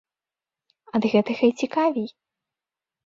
Ад гэтага і цікавей!